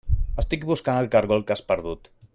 Estic buscant el caragol que has perdut.